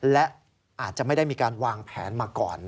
และอาจจะไม่ได้มีการวางแผนมาก่อน